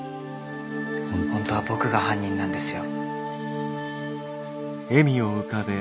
本当は僕が犯人なんですよ。